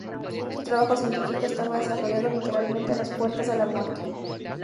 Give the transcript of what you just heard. Su trabajo científico estaba desarrollado literalmente a las puertas de la muerte.